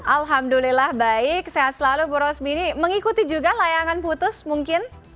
alhamdulillah baik sehat selalu bu rosmini mengikuti juga layangan putus mungkin